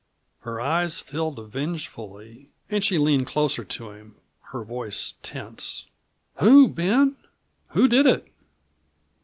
Her eyes filled vengefully, and she leaned closer to him, her voice tense. "Who, Ben? Who did it?"